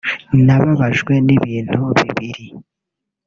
Nababajwe n’ibintu bibiri